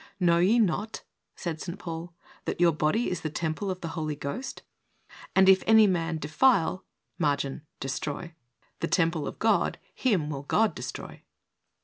"Know ye not," said St. Paul, "that your body is the temple of the Holy Ghost?" and "if any man defile" (margin "destroy") 68 THE soul winner's SECRET. "the temple of God, him will God destroy."